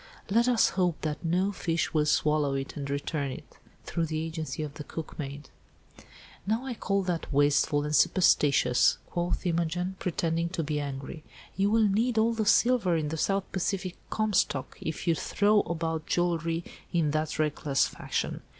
"Let us hope that no fish will swallow it, and return it, through the agency of the cookmaid." "Now, I call that wasteful and superstitious," quoth Imogen, pretending to be angry. "You will need all the silver in the South Pacific Comstock, if you throw about jewellery in that reckless fashion.